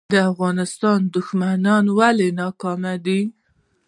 د افغانستان دښمنان ولې ناکام دي؟